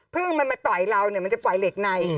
มันมาต่อยเราเนี่ยมันจะปล่อยเหล็กใน